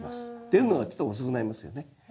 出るのがちょっと遅くなりますよね。